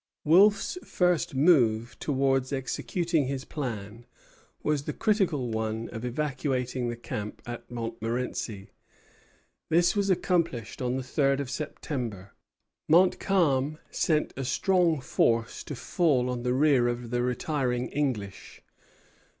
Wolfe's first move towards executing his plan was the critical one of evacuating the camp at Montmorenci. This was accomplished on the third of September. Montcalm sent a strong force to fall on the rear of the retiring English.